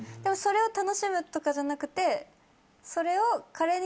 それを楽しむとかじゃなくてそれを。